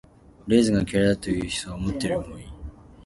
レーズンが嫌いだという人は思っているよりも多い。